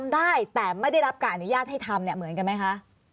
ได้แต่ไม่ได้รับการอนุญาตให้ทำเหมือนกันไหมคะ